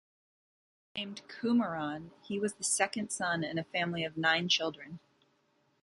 Named "Kumaran", he was the second son in a family of nine children.